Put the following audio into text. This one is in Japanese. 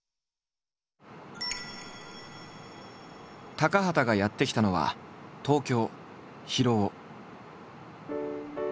高畑がやって来たのは東京広尾。